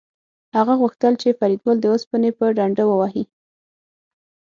هغه غوښتل چې فریدګل د اوسپنې په ډنډه ووهي